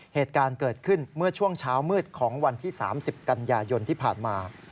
เหตุการณ์เกิดขึ้นเมื่อช่วงเช้ามืดของวันที่๓๐กันยายนที่ผ่านมา